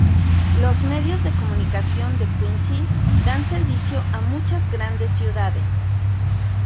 Los medios de comunicación de Quincy dan servicio a muchas grandes ciudades.